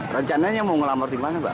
rencananya mau ngelamur di mana mbak